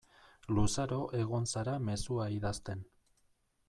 Luzaro egon zara mezua idazten.